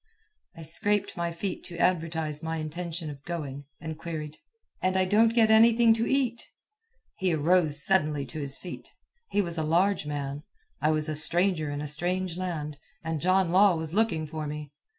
I scraped my feet to advertise my intention of going, and queried: "And I don't get anything to eat?" He arose suddenly to his feet. He was a large man. I was a stranger in a strange land, and John Law was looking for me.